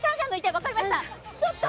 分かりました！